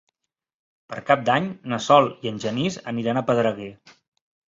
Per Cap d'Any na Sol i en Genís aniran a Pedreguer.